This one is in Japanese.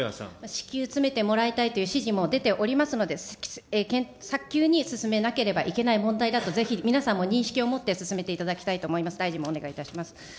至急詰めてもらいたいという指示も出ておりますので、早急に進めなければいけない問題だと、ぜひ皆さんも認識を持って進めていただきたいと思います、大臣もお願いいたします。